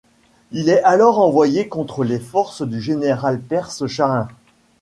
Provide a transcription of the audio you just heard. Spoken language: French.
Il est alors envoyé contre les forces du général perse Shahin.